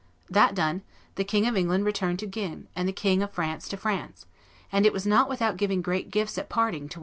That done, the King of England returned to Guines, and the King of France to France; and it was not without giving great gifts at parting, one to another."